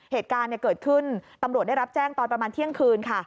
เหตุการณ์เกิดขึ้นตำรวจได้รับแจ้งตอนประมาณเที่ยงคืนค่ะ